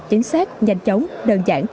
chính xác nhanh chóng đơn giản